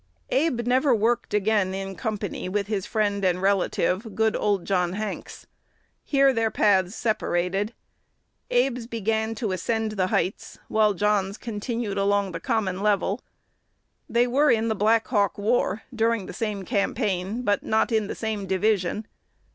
Abe never worked again in company with his friend and relative, good old John Hanks. Here their paths separated: Abe's began to ascend the heights, while John's continued along the common level. They were in the Black Hawk War during the same campaign, but not in the same division.